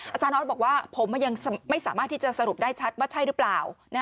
อาจารย์ออสบอกว่าผมยังไม่สามารถที่จะสรุปได้ชัดว่าใช่หรือเปล่า